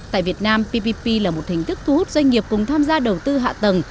tại việt nam ppp là một hình thức thu hút doanh nghiệp cùng tham gia đầu tư hạ tầng